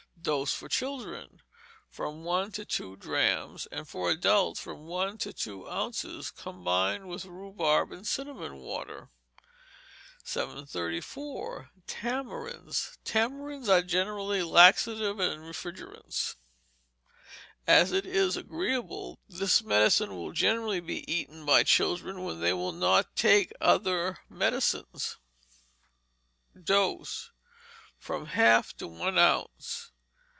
Dose for children, from one to two drachms; and for adults, from one to two ounces, combined with rhubarb and cinnamon water. 734. Tamarinds Tamarinds are generally laxative and refrigerant. As it is agreeable, this medicine will generally be eaten by children when they will not take other medicines. Dose, from half to one ounce.